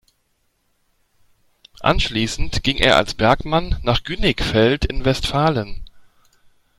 Anschließend ging er als Bergmann nach Günnigfeld in Westfalen.